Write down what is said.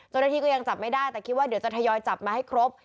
เจ้าหน้าที่ก็ยังจับไม่ได้แต่คิดว่าเดี๋ยวจะทยอยจับมาให้ครบ